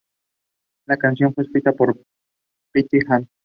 La canción fue escrita por Pete Ham.